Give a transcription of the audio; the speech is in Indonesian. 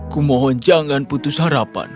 kumohon jangan putus harapan